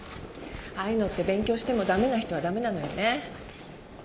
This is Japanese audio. ああいうのって勉強してもダメな人はダメなのよねえ。